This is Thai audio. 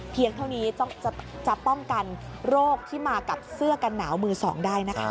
เท่านี้จะป้องกันโรคที่มากับเสื้อกันหนาวมือสองได้นะคะ